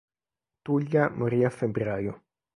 Tullia morì a febbraio.